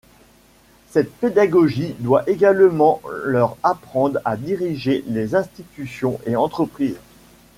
Cette pédagogie doit également leur apprendre à diriger les institutions et entreprises.